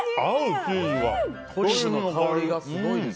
トリュフの香りがすごいです。